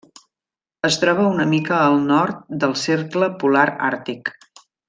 Es troba una mica al nord del cercle polar àrtic.